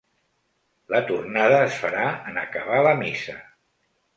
La tornada es farà en acabar la missa.